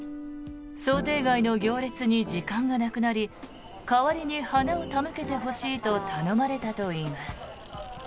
想定外の行列に時間がなくなり代わりに花を手向けてほしいと頼まれたといいます。